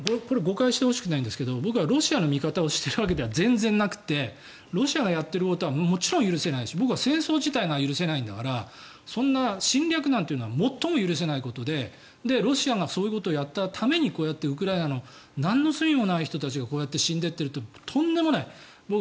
誤解してほしくないんですが僕はロシアの味方をしているわけでは全然なくてロシアがやってることはもちろん許せないし僕は戦争自体が許せないんだからそんな侵略なんていうのは最も許せないことでロシアがそういうことをやったためにこうやってウクライナのなんの罪もない人たちがこうやって死んでいっているのはとんでもない。